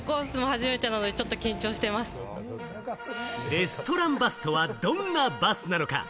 レストランバスとはどんなバスなのか？